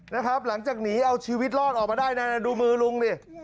นะครับหลังจากหนีเอาชีวิตรอดออกมาได้นะดูมือลุงดิ